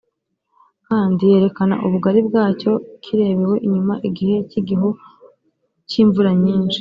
Kandi yerekana ubugari bwacyo kirebewe inyuma igihe cy igihu cy imvura nyinshi